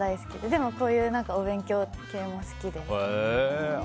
でも、こういうお勉強系も好きです。